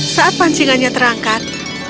saat pancingannya terangkat